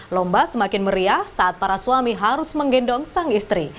lomba semakin meriah saat para suami harus menggendong sang istri